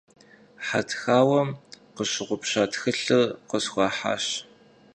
Хьэтхауэм къыщыгъупща тхылъыр къысхуахьащ.